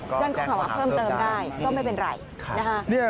แจ้งข้อหาเพิ่มเติมได้ก็ไม่เป็นไรนะคะ